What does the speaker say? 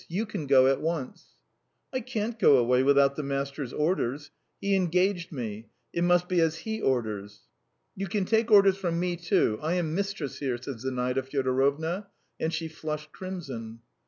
You can go at once." "I can't go away without the master's orders. He engaged me. It must be as he orders." "You can take orders from me, too! I am mistress here!" said Zinaida Fyodorovna, and she flushed crimson.